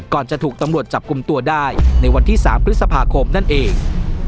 จะถูกตำรวจจับกลุ่มตัวได้ในวันที่๓พฤษภาคมนั่นเอง